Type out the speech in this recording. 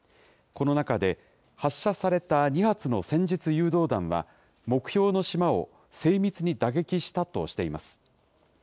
この中で、発射された２発の戦術誘導弾は、目標の島を精密に打撃したとしています。